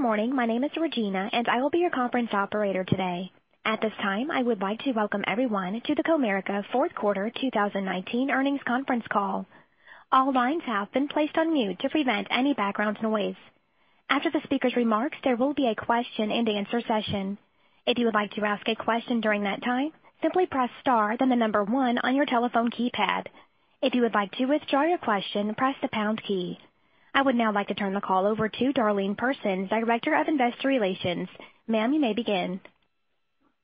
Good morning. My name is Regina, and I will be your conference operator today. At this time, I would like to welcome everyone to the Comerica fourth quarter 2019 earnings conference call. All lines have been placed on mute to prevent any background noise. After the speaker's remarks, there will be a question-and-answer session. If you would like to ask a question during that time, simply press star one on your telephone keypad. If you would like to withdraw your question, press the pound key. I would now like to turn the call over to Darlene Persons, Director of Investor Relations. Ma'am, you may begin.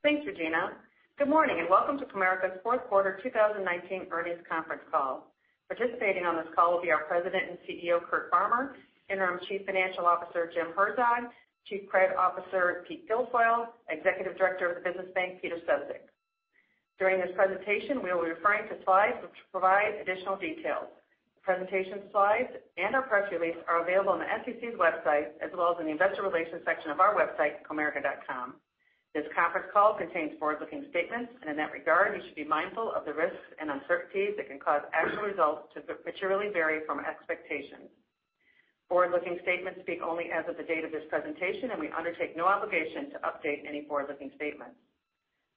Thanks, Regina. Good morning, and welcome to Comerica's fourth quarter 2019 earnings conference call. Participating on this call will be our President and CEO, Curt Farmer, Interim Chief Financial Officer, Jim Herzog, Chief Credit Officer, Pete Guilfoile, Executive Director of the Business Bank, Peter Sefzik. During this presentation, we will be referring to slides which provide additional details. The presentation slides and our press release are available on the SEC's website, as well as in the investor relations section of our website, comerica.com. This conference call contains forward-looking statements, and in that regard, you should be mindful of the risks and uncertainties that can cause actual results to materially vary from expectations. Forward-looking statements speak only as of the date of this presentation, and we undertake no obligation to update any forward-looking statements.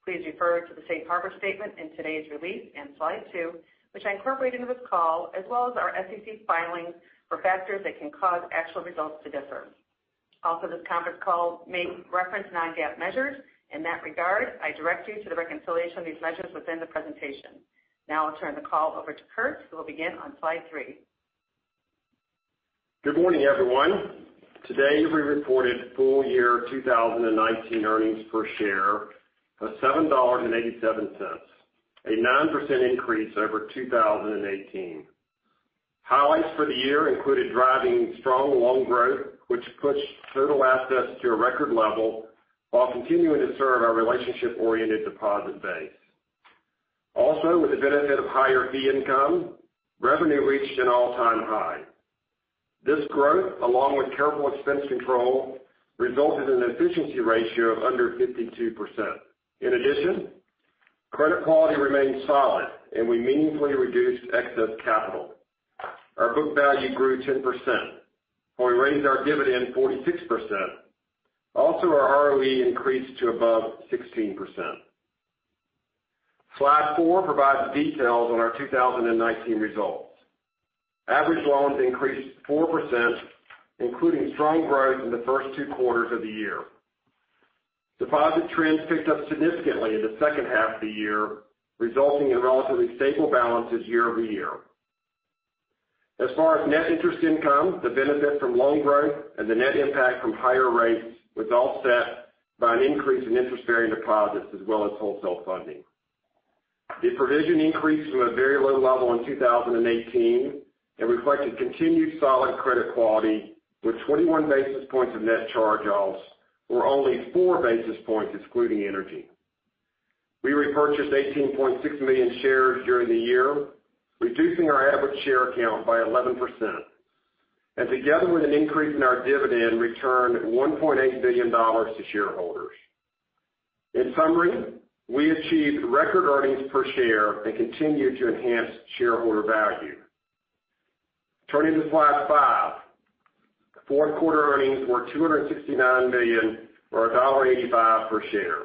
Please refer to the safe harbor statement in today's release in slide two, which I incorporate into this call, as well as our SEC filings for factors that can cause actual results to differ. Also, this conference call may reference non-GAAP measures. In that regard, I direct you to the reconciliation of these measures within the presentation. I'll turn the call over to Curt, who will begin on slide three. Good morning, everyone. Today, we reported full year 2019 earnings per share of $7.87, a 9% increase over 2018. Highlights for the year included driving strong loan growth, which pushed total assets to a record level while continuing to serve our relationship-oriented deposit base. Also, with the benefit of higher fee income, revenue reached an all-time high. This growth, along with careful expense control, resulted in an efficiency ratio of under 52%. In addition, credit quality remained solid, and we meaningfully reduced excess capital. Our book value grew 10%, while we raised our dividend 46%. Also, our ROE increased to above 16%. Slide four provides details on our 2019 results. Average loans increased 4%, including strong growth in the first two quarters of the year. Deposit trends picked up significantly in the second half of the year, resulting in relatively stable balances year-over-year. As far as net interest income, the benefit from loan growth and the net impact from higher rates was offset by an increase in interest-bearing deposits as well as wholesale funding. The provision increased from a very low level in 2018 and reflected continued solid credit quality with 21 basis points of net charge-offs, or only 4 basis points excluding energy. We repurchased 18.6 million shares during the year, reducing our average share count by 11%, and together with an increase in our dividend, returned $1.8 billion to shareholders. In summary, we achieved record earnings per share and continued to enhance shareholder value. Turning to slide five. Fourth quarter earnings were $269 million, or $1.85 per share.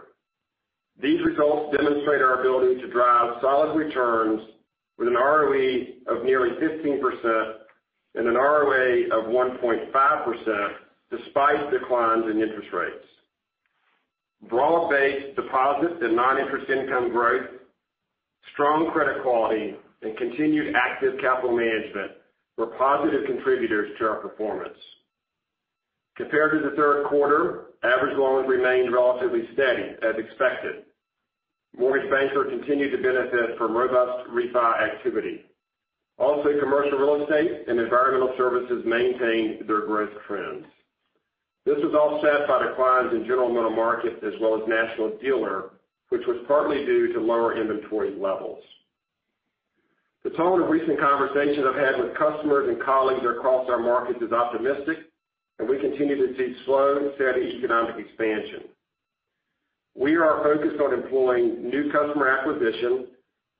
These results demonstrate our ability to drive solid returns with an ROE of nearly 15% and an ROA of 1.5% despite declines in interest rates. Broad-based deposits and non-interest income growth, strong credit quality, and continued active capital management were positive contributors to our performance. Compared to the third quarter, average loans remained relatively steady as expected. Mortgage banker continued to benefit from robust refi activity. Also, commercial real estate and environmental services maintained their growth trends. This was offset by declines in general middle market as well as national dealer, which was partly due to lower inventory levels. The tone of recent conversations I've had with customers and colleagues across our markets is optimistic, and we continue to see slow and steady economic expansion. We are focused on employing new customer acquisition,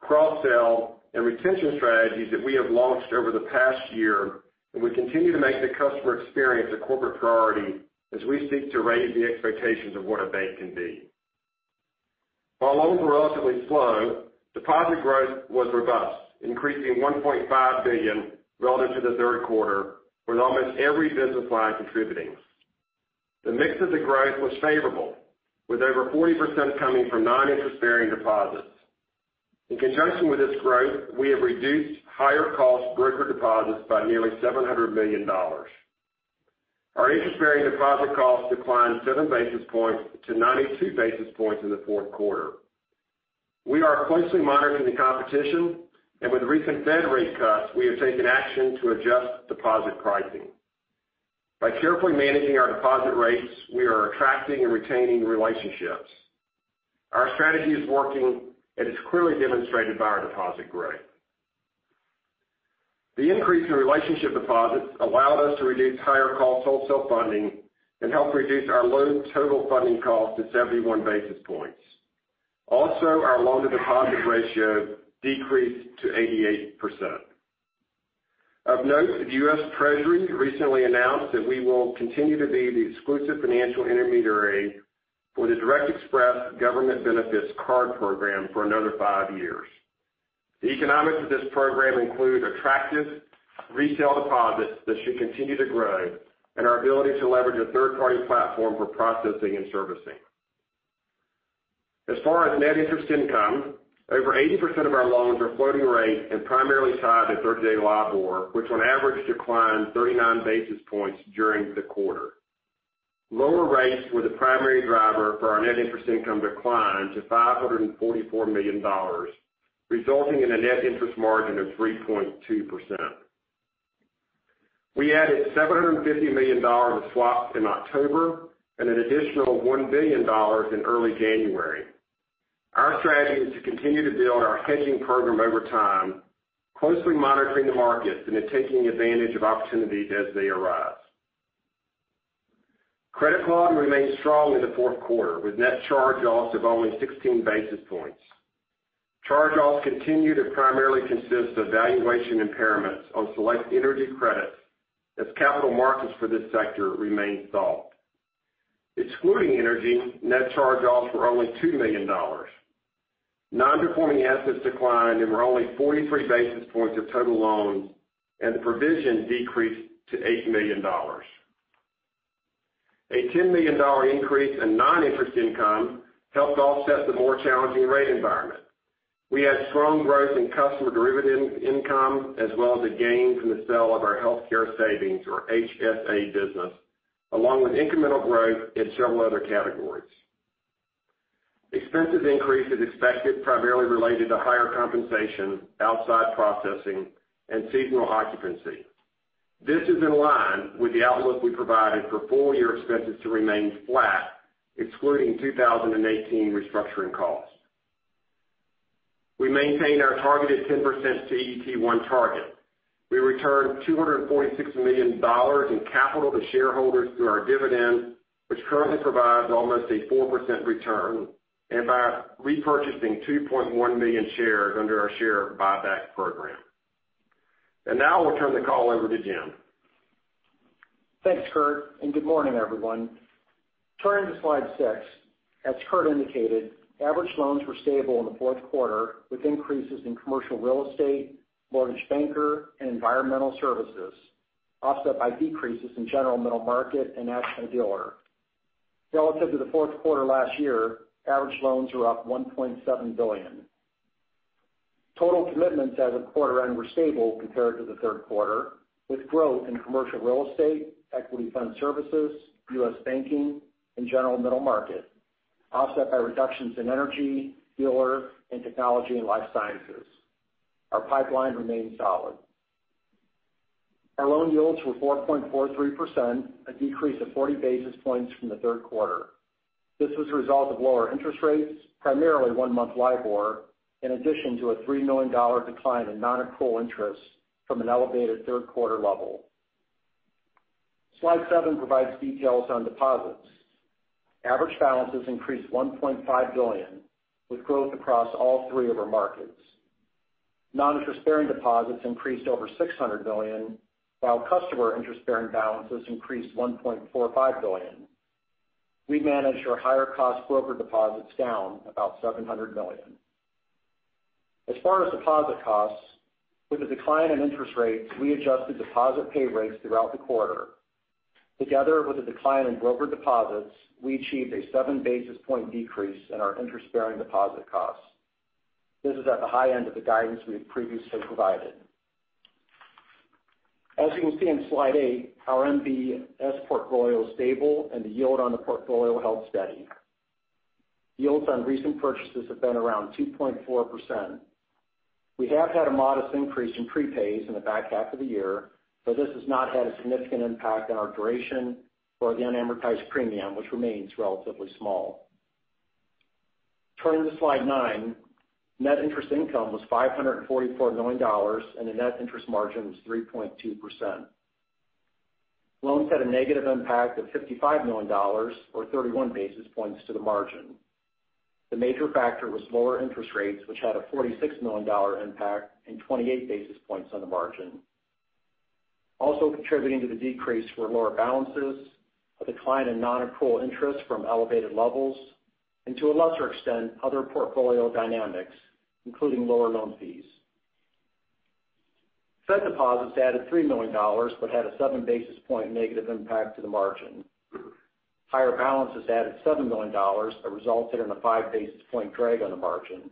cross-sell, and retention strategies that we have launched over the past year, and we continue to make the customer experience a corporate priority as we seek to raise the expectations of what a bank can be. While loans were relatively slow, deposit growth was robust, increasing $1.5 billion relative to the third quarter, with almost every business line contributing. The mix of the growth was favorable, with over 40% coming from non-interest-bearing deposits. In conjunction with this growth, we have reduced higher-cost broker deposits by nearly $700 million. Our interest-bearing deposit cost declined 7 basis points to 92 basis points in the fourth quarter. We are closely monitoring the competition, and with recent fed rate cuts, we have taken action to adjust deposit pricing. By carefully managing our deposit rates, we are attracting and retaining relationships. Our strategy is working, and it's clearly demonstrated by our deposit growth. The increase in relationship deposits allowed us to reduce higher-cost wholesale funding and helped reduce our loan total funding cost to 71 basis points. Also, our loan-to-deposit ratio decreased to 88%. Of note, the U.S. Treasury recently announced that we will continue to be the exclusive financial intermediary for the Direct Express government benefits card program for another five years. The economics of this program include attractive resale deposits that should continue to grow and our ability to leverage a third-party platform for processing and servicing. As far as net interest income, over 80% of our loans are floating rate and primarily tied to 30-day LIBOR, which on average declined 39 basis points during the quarter. Lower rates were the primary driver for our net interest income decline to $544 million, resulting in a net interest margin of 3.2%. We added $750 million of swaps in October and an additional $1 billion in early January. Our strategy is to continue to build our hedging program over time, closely monitoring the markets and then taking advantage of opportunities as they arise. Credit quality remained strong in the fourth quarter, with net charge-offs of only 16 basis points. Charge-offs continue to primarily consist of valuation impairments on select energy credits, as capital markets for this sector remain stalled. Excluding energy, net charge-offs were only $2 million. Non-performing assets declined and were only 43 basis points of total loans, and the provision decreased to $8 million. A $10 million increase in non-interest income helped offset the more challenging rate environment. We had strong growth in customer derivative income, as well as a gain from the sale of our healthcare savings or HSA business, along with incremental growth in several other categories. Expenses increase is expected, primarily related to higher compensation, outside processing, and seasonal occupancy. This is in line with the outlook we provided for full-year expenses to remain flat, excluding 2018 restructuring costs. We maintained our targeted 10% CET1 target. We returned $246 million in capital to shareholders through our dividend, which currently provides almost a 4% return, and by repurchasing 2.1 million shares under our share buyback program. Now I'll turn the call over to Jim. Thanks, Curt, and good morning, everyone. Turning to slide six. As Curt indicated, average loans were stable in the fourth quarter, with increases in commercial real estate, mortgage banker, and environmental services, offset by decreases in general middle market and national dealer. Relative to the fourth quarter last year, average loans were up $1.7 billion. Total commitments as of quarter end were stable compared to the third quarter, with growth in commercial real estate, equity fund services, U.S. banking, and general middle market, offset by reductions in energy, dealer, and technology and life sciences. Our pipeline remained solid. Our loan yields were 4.43%, a decrease of 40 basis points from the third quarter. This was a result of lower interest rates, primarily one-month LIBOR, in addition to a $3 million decline in non-accrual interest from an elevated third quarter level. Slide seven provides details on deposits. Average balances increased $1.5 billion, with growth across all three of our markets. Non-interest-bearing deposits increased over $600 million, while customer interest-bearing balances increased $1.45 billion. We managed our higher cost broker deposits down about $700 million. As far as deposit costs, with the decline in interest rates, we adjusted deposit pay rates throughout the quarter. Together with a decline in broker deposits, we achieved a 7 basis point decrease in our interest-bearing deposit costs. This is at the high end of the guidance we've previously provided. As you can see on slide eight, our MBS portfolio is stable and the yield on the portfolio held steady. Yields on recent purchases have been around 2.4%. We have had a modest increase in prepays in the back half of the year, but this has not had a significant impact on our duration or the unamortized premium, which remains relatively small. Turning to slide nine. Net interest income was $544 million, and the net interest margin was 3.2%. Loans had a negative impact of $55 million or 31 basis points to the margin. The major factor was lower interest rates, which had a $46 million impact and 28 basis points on the margin. Also contributing to the decrease were lower balances, a decline in non-accrual interest from elevated levels, and to a lesser extent, other portfolio dynamics, including lower loan fees. Fed deposits added $3 million but had a 7 basis point negative impact to the margin. Higher balances added $7 million, that resulted in a 5 basis point drag on the margin.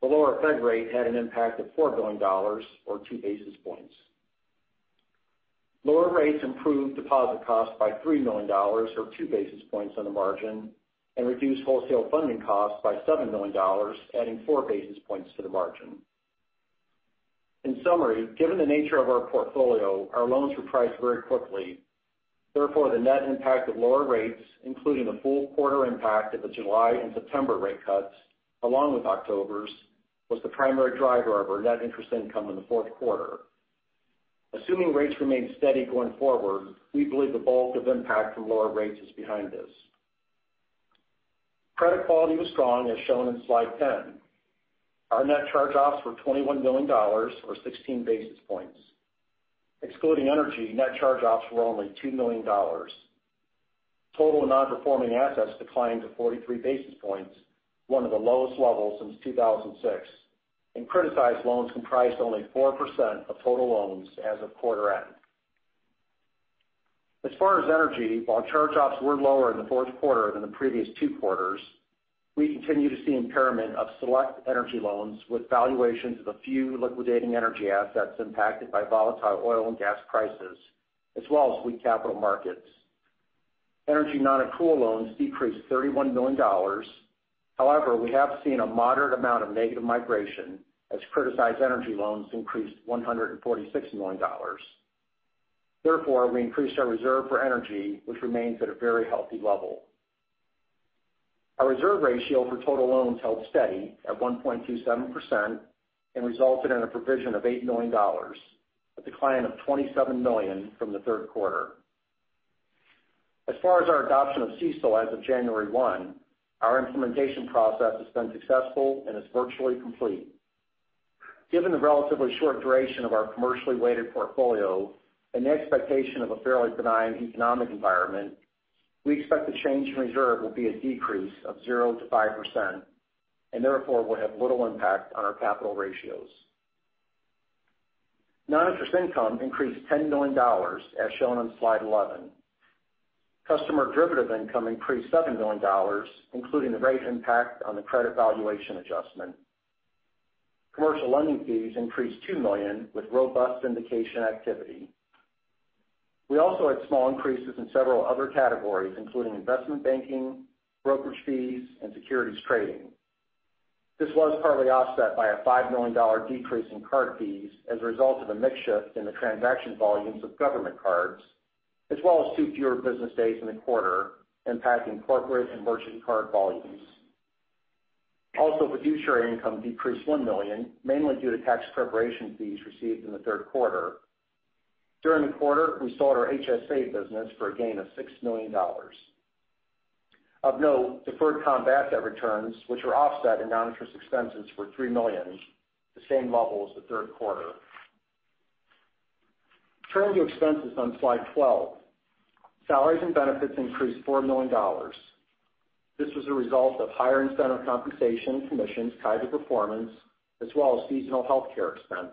The lower fed rate had an impact of $4 million or 2 basis points. Lower rates improved deposit costs by $3 million or 2 basis points on the margin, and reduced wholesale funding costs by $7 million, adding 4 basis points to the margin. In summary, given the nature of our portfolio, our loans reprice very quickly. Therefore, the net impact of lower rates, including the full quarter impact of the July and September rate cuts, along with October's, was the primary driver of our net interest income in the fourth quarter. Assuming rates remain steady going forward, we believe the bulk of impact from lower rates is behind us. Credit quality was strong, as shown in slide 10. Our net charge-offs were $21 million, or 16 basis points. Excluding energy, net charge-offs were only $2 million. Total non-performing assets declined to 43 basis points, one of the lowest levels since 2006, and criticized loans comprised only 4% of total loans as of quarter end. As far as energy, while charge-offs were lower in the fourth quarter than the previous two quarters, we continue to see impairment of select energy loans with valuations of the few liquidating energy assets impacted by volatile oil and gas prices, as well as weak capital markets. Energy non-accrual loans decreased $31 million. However, we have seen a moderate amount of negative migration as criticized energy loans increased $146 million. Therefore, we increased our reserve for energy, which remains at a very healthy level. Our reserve ratio for total loans held steady at 1.27% and resulted in a provision of $8 million, a decline of $27 million from the third quarter. As far as our adoption of CECL as of January 1, our implementation process has been successful and is virtually complete. Given the relatively short duration of our commercially weighted portfolio and the expectation of a fairly benign economic environment, we expect the change in reserve will be a decrease of 0%-5%, and therefore will have little impact on our capital ratios. Non-interest income increased $10 million, as shown on slide 11. Customer derivative income increased $7 million, including the rate impact on the credit valuation adjustment. Commercial lending fees increased $2 million with robust syndication activity. We also had small increases in several other categories, including investment banking, brokerage fees, and securities trading. This was partly offset by a $5 million decrease in card fees as a result of a mix shift in the transaction volumes of government cards, as well as two fewer business days in the quarter, impacting corporate and merchant card volumes. Also, fiduciary income decreased $1 million, mainly due to tax preparation fees received in the third quarter. During the quarter, we sold our HSA business for a gain of $6 million. Of note, deferred comp asset returns, which were offset in non-interest expenses for $3 million, the same level as the third quarter. Turning to expenses on slide 12. Salaries and benefits increased $4 million. This was a result of higher incentive compensation commissions tied to performance, as well as seasonal healthcare expense.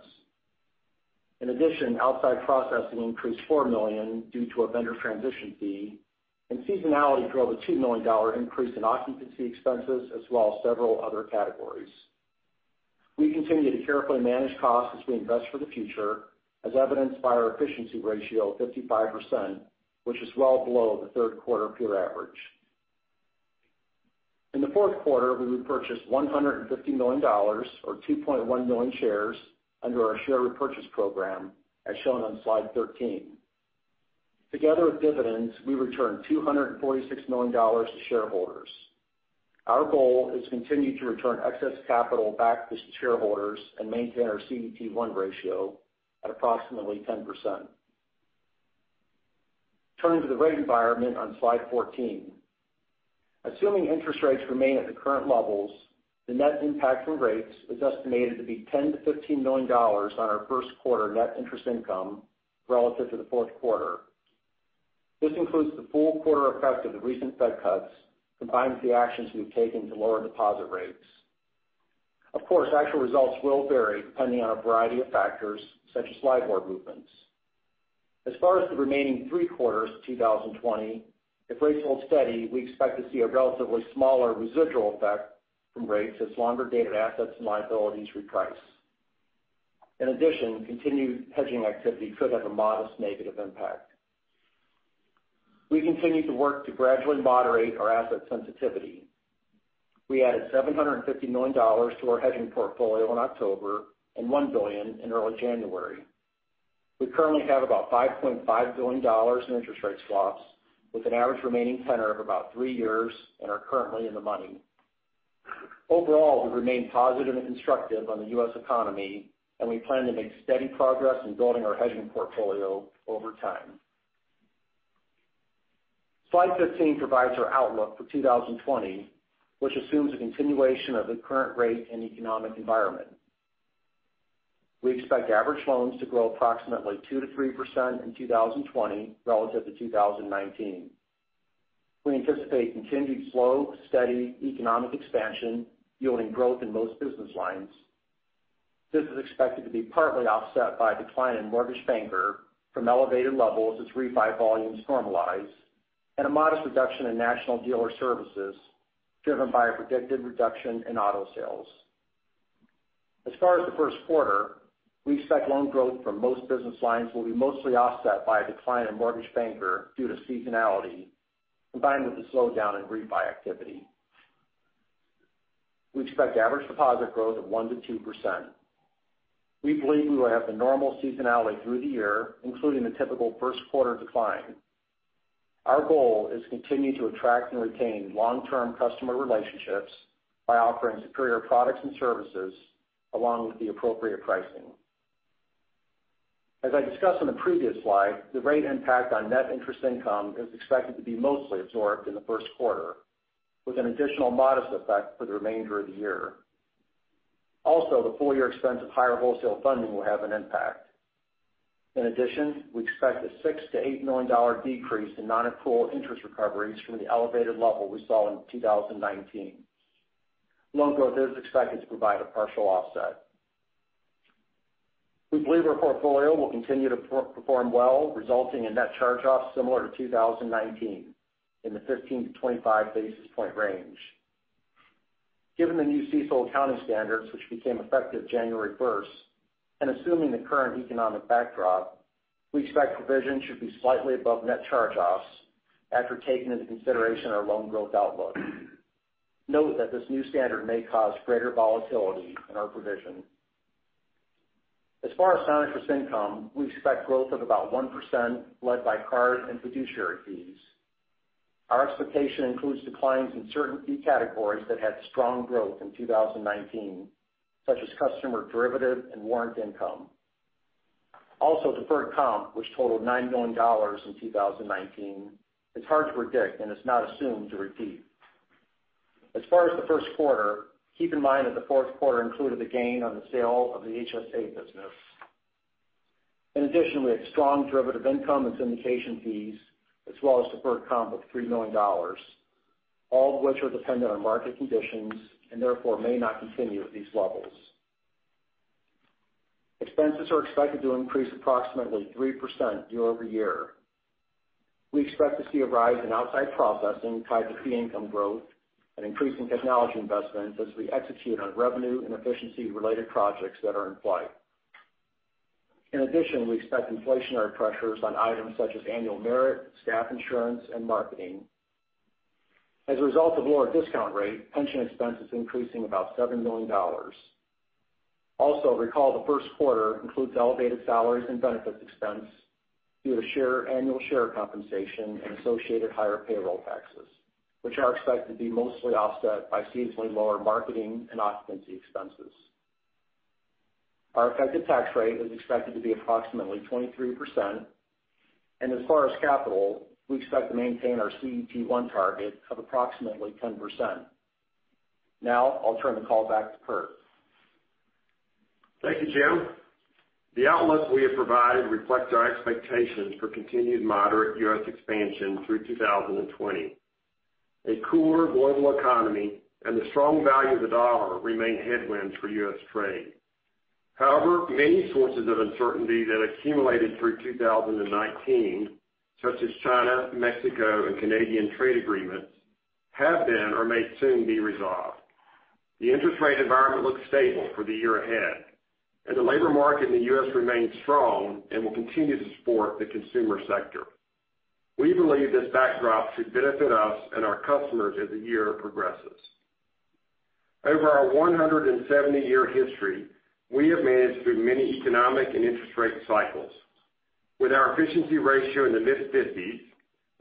In addition, outside processing increased $4 million due to a vendor transition fee, and seasonality drove a $2 million increase in occupancy expenses, as well as several other categories. We continue to carefully manage costs as we invest for the future, as evidenced by our efficiency ratio of 55%, which is well below the third quarter peer average. In the fourth quarter, we repurchased $150 million, or 2.1 million shares, under our share repurchase program, as shown on slide 13. Together with dividends, we returned $246 million to shareholders. Our goal is to continue to return excess capital back to shareholders and maintain our CET1 ratio at approximately 10%. Turning to the rate environment on slide 14. Assuming interest rates remain at the current levels, the net impact from rates is estimated to be $10 million-$15 million on our first quarter net interest income relative to the fourth quarter. This includes the full quarter effect of the recent fed cuts, combined with the actions we've taken to lower deposit rates. Of course, actual results will vary depending on a variety of factors such as LIBOR movements. As far as the remaining three quarters of 2020, if rates hold steady, we expect to see a relatively smaller residual effect from rates as longer-dated assets and liabilities reprice. In addition, continued hedging activity could have a modest negative impact. We continue to work to gradually moderate our asset sensitivity. We added $750 million to our hedging portfolio in October and $1 billion in early January. We currently have about $5.5 billion in interest rate swaps, with an average remaining tenor of about three years and are currently in the money. Overall, we remain positive and constructive on the U.S. economy. We plan to make steady progress in building our hedging portfolio over time. Slide 15 provides our outlook for 2020, which assumes a continuation of the current rate and economic environment. We expect average loans to grow approximately 2%-3% in 2020 relative to 2019. We anticipate continued slow, steady economic expansion yielding growth in most business lines. This is expected to be partly offset by a decline in mortgage banker from elevated levels as refi volumes normalize and a modest reduction in national dealer services driven by a predicted reduction in auto sales. As far as the first quarter, we expect loan growth from most business lines will be mostly offset by a decline in mortgage banker due to seasonality combined with a slowdown in refi activity. We expect average deposit growth of 1%-2%. We believe we will have the normal seasonality through the year, including the typical first quarter decline. Our goal is to continue to attract and retain long-term customer relationships by offering superior products and services along with the appropriate pricing. As I discussed on the previous slide, the rate impact on net interest income is expected to be mostly absorbed in the first quarter, with an additional modest effect for the remainder of the year. Also, the full year expense of higher wholesale funding will have an impact. In addition, we expect a $6 million-$8 million decrease in non-accrual interest recoveries from the elevated level we saw in 2019. Loan growth is expected to provide a partial offset. We believe our portfolio will continue to perform well, resulting in net charge-offs similar to 2019, in the 15-25 basis point range. Given the new CECL accounting standards which became effective January 1st, and assuming the current economic backdrop, we expect provision should be slightly above net charge-offs after taking into consideration our loan growth outlook. Note that this new standard may cause greater volatility in our provision. As far as non-interest income, we expect growth of about 1%, led by card and fiduciary fees. Our expectation includes declines in certain fee categories that had strong growth in 2019, such as customer derivative and warrant income. Deferred comp, which totaled $9 million in 2019, is hard to predict and is not assumed to repeat. As far as the first quarter, keep in mind that the fourth quarter included the gain on the sale of the HSA business. In addition, we had strong derivative income and syndication fees, as well as deferred comp of $3 million, all of which are dependent on market conditions and therefore may not continue at these levels. Expenses are expected to increase approximately 3% year-over-year. We expect to see a rise in outside processing tied to fee income growth and increasing technology investments as we execute on revenue and efficiency-related projects that are in flight. In addition, we expect inflationary pressures on items such as annual merit, staff insurance, and marketing. As a result of lower discount rate, pension expense is increasing about $7 million. Also, recall the first quarter includes elevated salaries and benefits expense due to annual share compensation and associated higher payroll taxes, which are expected to be mostly offset by seasonally lower marketing and occupancy expenses. Our effective tax rate is expected to be approximately 23%, and as far as capital, we expect to maintain our CET1 target of approximately 10%. I'll turn the call back to Curt. Thank you, Jim. The outlook we have provided reflects our expectations for continued moderate U.S. expansion through 2020. A cooler global economy and the strong value of the dollar remain headwinds for U.S. trade. However, many sources of uncertainty that accumulated through 2019, such as China, Mexico, and Canadian trade agreements, have been or may soon be resolved. The interest rate environment looks stable for the year ahead, the labor market in the U.S. remains strong and will continue to support the consumer sector. We believe this backdrop should benefit us and our customers as the year progresses. Over our 170-year history, we have managed through many economic and interest rate cycles. With our efficiency ratio in the mid-50s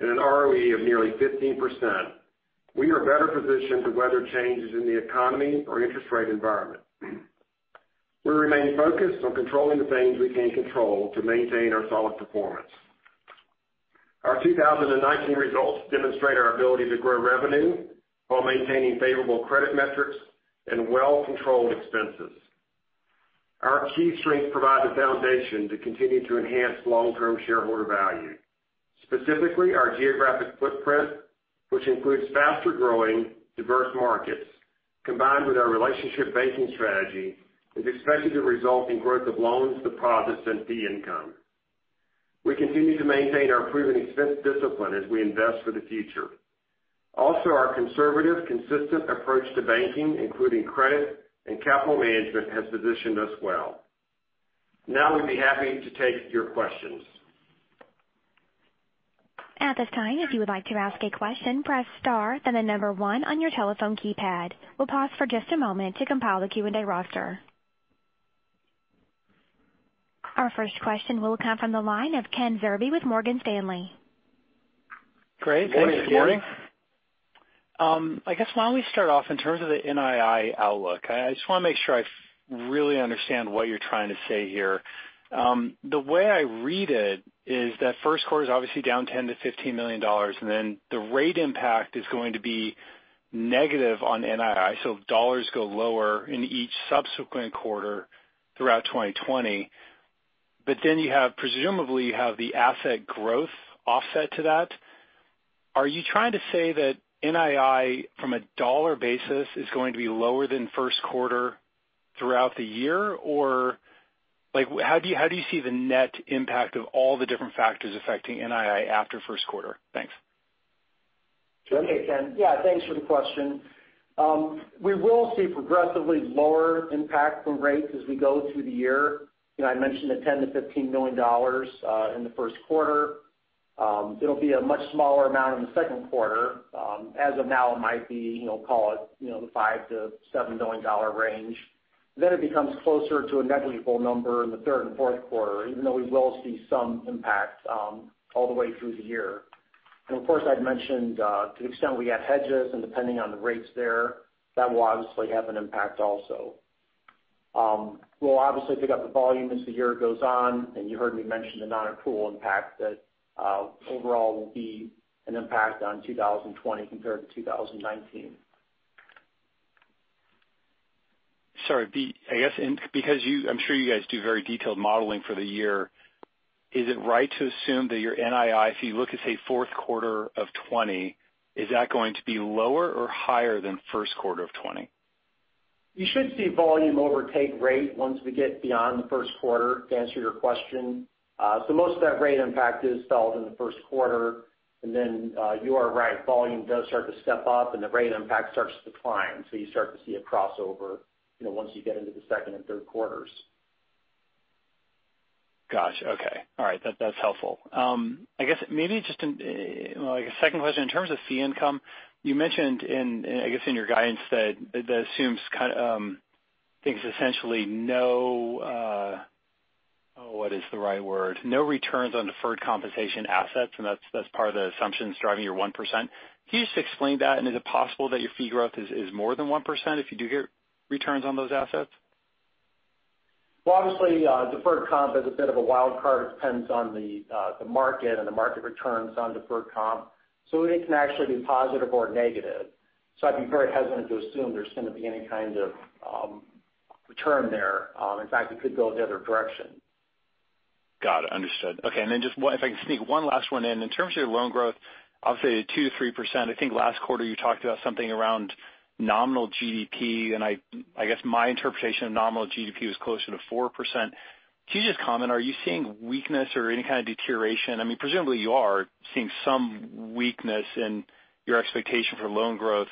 and an ROE of nearly 15%, we are better positioned to weather changes in the economy or interest rate environment. We remain focused on controlling the things we can control to maintain our solid performance. Our 2019 results demonstrate our ability to grow revenue while maintaining favorable credit metrics and well-controlled expenses. Our key strengths provide the foundation to continue to enhance long-term shareholder value. Specifically, our geographic footprint, which includes faster-growing diverse markets, combined with our relationship banking strategy, is expected to result in growth of loans, deposits, and fee income. We continue to maintain our proven expense discipline as we invest for the future. Also, our conservative, consistent approach to banking, including credit and capital management, has positioned us well. Now we'd be happy to take your questions. At this time, if you would like to ask a question, press star, then the number one on your telephone keypad. We'll pause for just a moment to compile the Q&A roster. Our first question will come from the line of Ken Zerbe with Morgan Stanley. Great. Good morning. I guess why don't we start off in terms of the NII outlook? I just want to make sure I really understand what you're trying to say here. The way I read it is that first quarter is obviously down $10 million-$15 million, and then the rate impact is going to be negative on NII, so dollars go lower in each subsequent quarter throughout 2020. Presumably, you have the asset growth offset to that. Are you trying to say that NII, from a dollar basis, is going to be lower than first quarter throughout the year? How do you see the net impact of all the different factors affecting NII after first quarter? Thanks. Okay, Ken. Yeah, thanks for the question. We will see progressively lower impact from rates as we go through the year. I mentioned the $10 million-$15 million in the first quarter. It'll be a much smaller amount in the second quarter. As of now, it might be, call it, the $5 million-$7 million range. It becomes closer to a negligible number in the third and fourth quarter, even though we will see some impact all the way through the year. Of course, I'd mentioned to the extent we have hedges and depending on the rates there, that will obviously have an impact also. We'll obviously pick up the volume as the year goes on, and you heard me mention the non-accrual impact that overall will be an impact on 2020 compared to 2019. Sorry. I'm sure you guys do very detailed modeling for the year. Is it right to assume that your NII, if you look at, say, fourth quarter of 2020, is that going to be lower or higher than first quarter of 2020? You should see volume overtake rate once we get beyond the first quarter, to answer your question. Most of that rate impact is felt in the first quarter, and then, you are right, volume does start to step up and the rate impact starts to decline. You start to see a crossover once you get into the second and third quarters. Got you. Okay. All right. That's helpful. I guess maybe just a second question, in terms of fee income, you mentioned in your guidance that assumes things essentially no, what is the right word? No returns on deferred compensation assets, and that's part of the assumptions driving your 1%. Can you just explain that, and is it possible that your fee growth is more than 1% if you do get returns on those assets? Obviously, deferred comp is a bit of a wild card. It depends on the market and the market returns on deferred comp. It can actually be positive or negative. I'd be very hesitant to assume there's going to be any kind of return there. In fact, it could go the other direction. Got it. Understood. Okay. If I can sneak one last one in. In terms of your loan growth, obviously 2%-3%, I think last quarter you talked about something around nominal GDP. I guess my interpretation of nominal GDP was closer to 4%. Can you just comment, are you seeing weakness or any kind of deterioration? Presumably you are seeing some weakness in your expectation for loan growth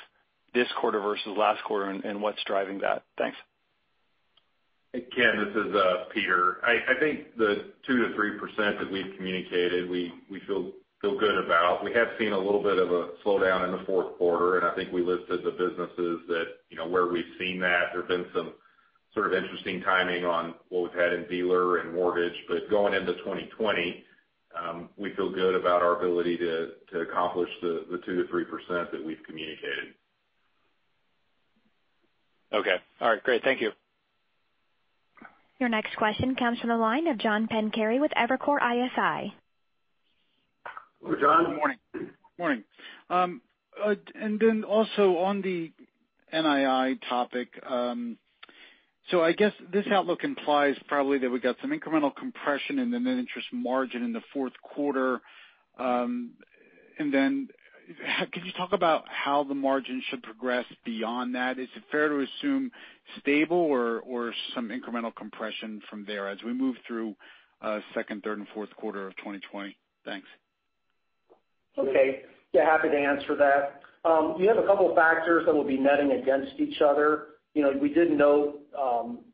this quarter versus last quarter. What's driving that? Thanks. Again, this is Peter. I think the 2%-3% that we've communicated, we feel good about. We have seen a little bit of a slowdown in the fourth quarter, and I think we listed the businesses where we've seen that. There's been some sort of interesting timing on what we've had in dealer and mortgage. Going into 2020, we feel good about our ability to accomplish the 2%-3% that we've communicated. Okay. All right, great. Thank you. Your next question comes from the line of John Pancari with Evercore ISI. Hello, John. Good morning. Also on the NII topic. I guess this outlook implies probably that we've got some incremental compression in the net interest margin in the fourth quarter. Could you talk about how the margin should progress beyond that? Is it fair to assume stable or some incremental compression from there as we move through second, third, and fourth quarter of 2020? Thanks. Okay. Yeah, happy to answer that. You have a couple of factors that will be netting against each other. We did note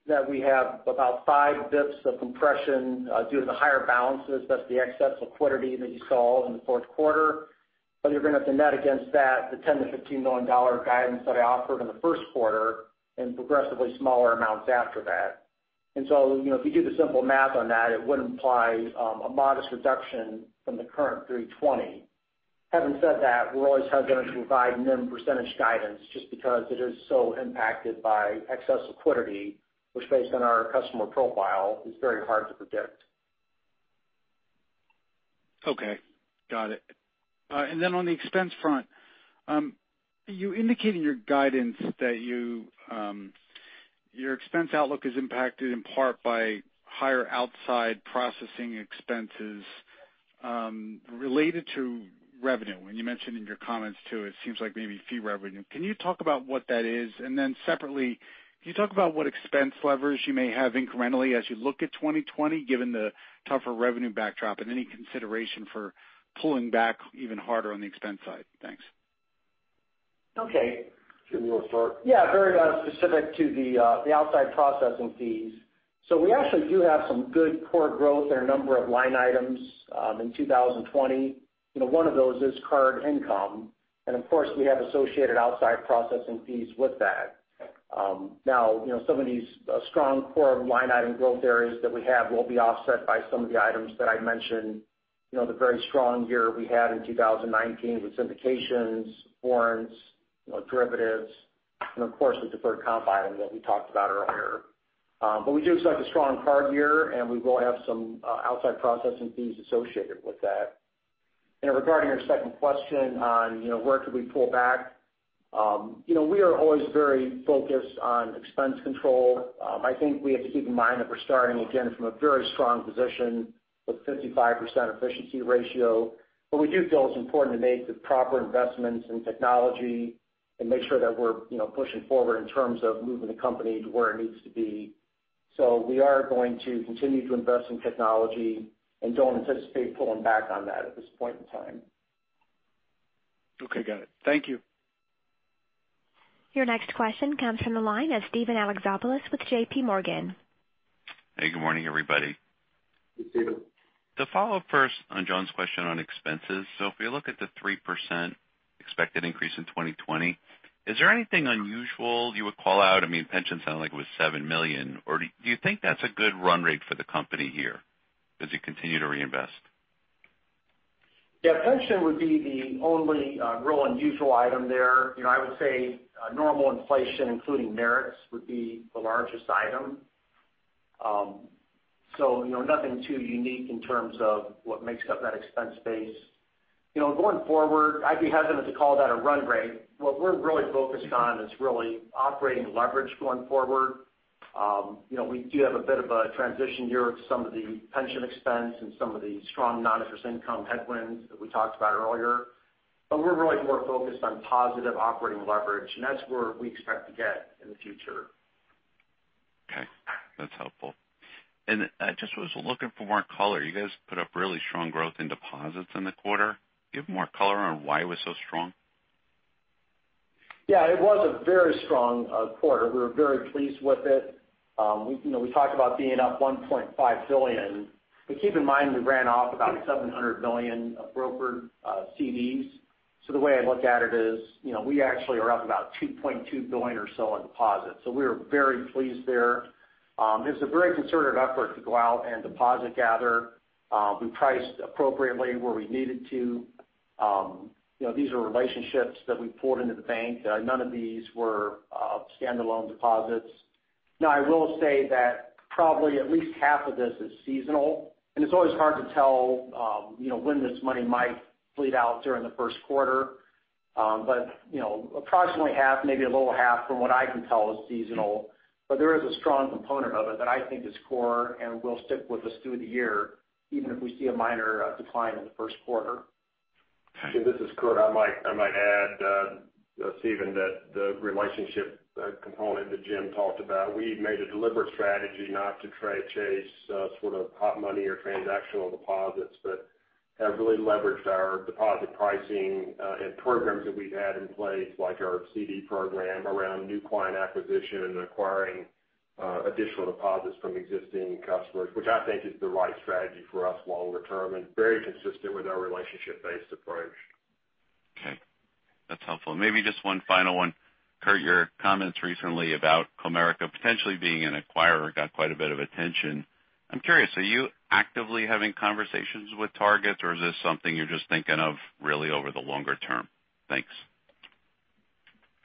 that we have about 5 basis points of compression due to the higher balances. That's the excess liquidity that you saw in the fourth quarter. You're going to have to net against that the $10 million-$15 million guidance that I offered in the first quarter and progressively smaller amounts after that. If you do the simple math on that, it would imply a modest reduction from the current 3.20%. Having said that, we're always hesitant to provide NIM percentage guidance just because it is so impacted by excess liquidity, which based on our customer profile, is very hard to predict. Okay. Got it. On the expense front, you indicate in your guidance that your expense outlook is impacted in part by higher outside processing expenses related to revenue. You mentioned in your comments, too, it seems like maybe fee revenue. Can you talk about what that is? Separately, can you talk about what expense levers you may have incrementally as you look at 2020, given the tougher revenue backdrop and any consideration for pulling back even harder on the expense side? Thanks. Okay. Jim, you want to start? Yeah. Very specific to the outside processing fees. We actually do have some good core growth in a number of line items in 2020. One of those is card income. Of course, we have associated outside processing fees with that. Now, some of these strong core line item growth areas that we have will be offset by some of the items that I mentioned, the very strong year we had in 2019 with syndications, warrants, derivatives, and of course, the deferred comp item that we talked about earlier. We do expect a strong card year, and we will have some outside processing fees associated with that. Regarding your second question on where could we pull back, we are always very focused on expense control. I think we have to keep in mind that we're starting again from a very strong position with 55% efficiency ratio. We do feel it's important to make the proper investments in technology and make sure that we're pushing forward in terms of moving the company to where it needs to be. We are going to continue to invest in technology and don't anticipate pulling back on that at this point in time. Okay, got it. Thank you. Your next question comes from the line of Steven Alexopoulos with JPMorgan. Hey, good morning, everybody. Hey, Steven. To follow up first on John's question on expenses. If you look at the 3% expected increase in 2020, is there anything unusual you would call out? Pension sounded like it was $7 million. Do you think that's a good run rate for the company here as you continue to reinvest? Pension would be the only real unusual item there. I would say normal inflation, including merits, would be the largest item. Nothing too unique in terms of what makes up that expense base. Going forward, I'd be hesitant to call that a run rate. What we're really focused on is really operating leverage going forward. We do have a bit of a transition year with some of the pension expense and some of the strong non-interest income headwinds that we talked about earlier. We're really more focused on positive operating leverage, and that's where we expect to get in the future. Okay, that's helpful. I just was looking for more color. You guys put up really strong growth in deposits in the quarter. Do you have more color on why it was so strong? Yeah, it was a very strong quarter. We were very pleased with it. We talked about being up $1.5 billion, but keep in mind, we ran off about $700 million of brokered CDs. The way I look at it is, we actually are up about $2.2 billion or so in deposits. We are very pleased there. It was a very concerted effort to go out and deposit gather. We priced appropriately where we needed to. These are relationships that we've poured into the bank. None of these were standalone deposits. Now, I will say that probably at least half of this is seasonal, and it's always hard to tell when this money might bleed out during the first quarter. Approximately half, maybe a little half from what I can tell is seasonal. There is a strong component of it that I think is core and will stick with us through the year, even if we see a minor decline in the first quarter. This is Curt. I might add, Steven, that the relationship component that Jim talked about, we made a deliberate strategy not to try to chase hot money or transactional deposits, but have really leveraged our deposit pricing and programs that we've had in place, like our CD program around new client acquisition and acquiring additional deposits from existing customers, which I think is the right strategy for us longer term and very consistent with our relationship-based approach. That's helpful. Maybe just one final one. Curt, your comments recently about Comerica potentially being an acquirer got quite a bit of attention. I'm curious, are you actively having conversations with targets, or is this something you're just thinking of really over the longer term? Thanks.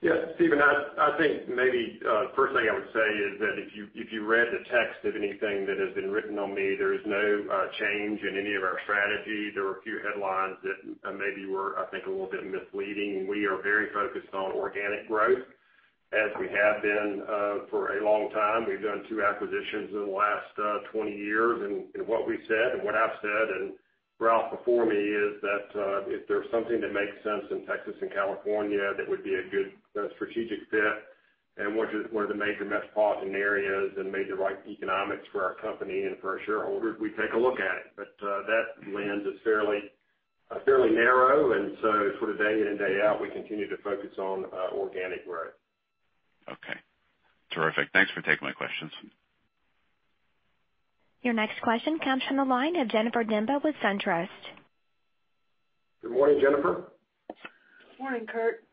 Yeah, Steven, I think maybe first thing I would say is that if you read the text of anything that has been written on me, there is no change in any of our strategy. There were a few headlines that maybe were, I think, a little bit misleading. We are very focused on organic growth as we have been for a long time. We've done two acquisitions in the last 20 years, and what we've said and what I've said and Ralph before me is that if there's something that makes sense in Texas and California that would be a good strategic fit and one of the major metropolitan areas and major right economics for our company and for our shareholders, we'd take a look at it. That lens is fairly narrow, and so for the day in and day out, we continue to focus on organic growth. Okay. Terrific. Thanks for taking my questions. Your next question comes from the line of Jennifer Demba with SunTrust. Good morning, Jennifer. Morning, Curt.